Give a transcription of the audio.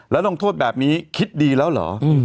แล้วลงโทษแบบนี้คิดดีแล้วเหรอ